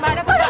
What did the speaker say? ada apa mbak